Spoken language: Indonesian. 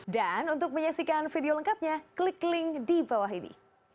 dan untuk menyaksikan video lengkapnya klik link di bawah ini